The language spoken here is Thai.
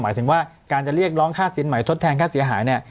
หมายถึงว่าการจะเรียกร้องค่าสินใหม่ทดแทนค่าเสียหายเนี่ย